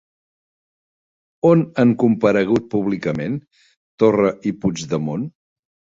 On han comparegut públicament Torra i Puigdemont?